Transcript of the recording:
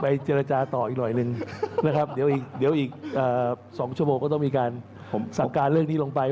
เจรจาต่ออีกหน่อยหนึ่งนะครับเดี๋ยวอีกเดี๋ยวอีก๒ชั่วโมงก็ต้องมีการสั่งการเรื่องนี้ลงไป